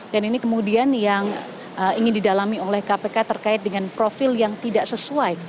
dan ini kemudian yang ingin didalami oleh kpk terkait dengan profil yang tidak sesuai